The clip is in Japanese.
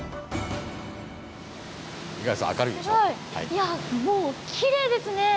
いやもうきれいですね。